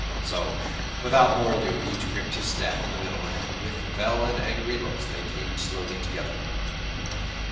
So, without more ado, each gripped his staff in the middle, and, with fell and angry looks, they came slowly together.